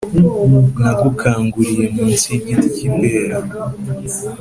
Nagukanguriye mu nsi y’igiti cy’ipera,